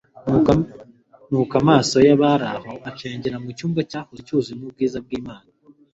nuko amaso y'abari aho acengera mu cyumba cyahoze cyuzuyemo ubwiza bw'Imana.